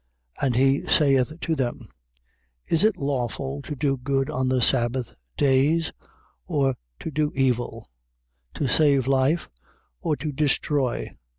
3:4. And he saith to them: Is it lawful to do good on the sabbath days, or to do evil? To save life, or to destroy?